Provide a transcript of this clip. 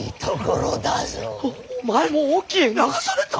お前も隠岐へ流された！